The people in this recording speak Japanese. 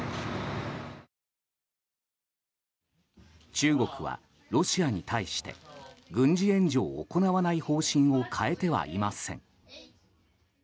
中国はロシアに対して軍事援助を行わない方針を変えてはいません。